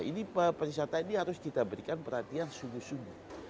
ini pariwisata ini harus kita berikan perhatian sungguh sungguh